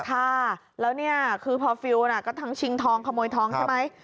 ค่ะแล้วเนี่ยคือพอฟิลล์ก็ทั้งชิงทองขโมยทองใช่ไหม